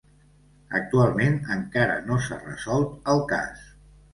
Actualment encara no s'ha resolt el cas.